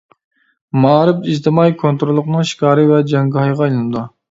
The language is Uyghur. مائارىپ ئىجتىمائىي كونتروللۇقىنىڭ شىكارى ۋە جەڭگاھىغا ئايلىنىدۇ.